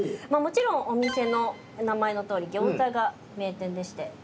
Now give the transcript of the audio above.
もちろんお店の名前のとおり餃子が名店でして。